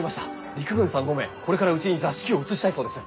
陸軍さん５名これからうちに座敷を移したいそうです。